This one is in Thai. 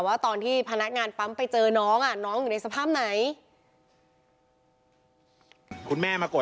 ว่าตอนที่พนักงานปั๊มไปเจอน้องน้องอยู่ในสภาพไหน